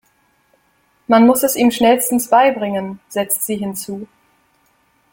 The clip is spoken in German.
Man muss es ihm schnellstens beibringen“, setzt sie hinzu.